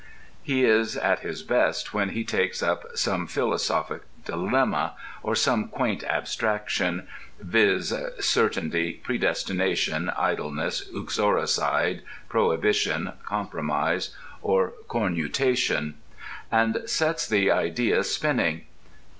He is at his best when he takes up some philosophic dilemma, or some quaint abstraction (viz., Certainty, Predestination, Idleness, Uxoricide, Prohibition, Compromise, or Cornutation) and sets the idea spinning.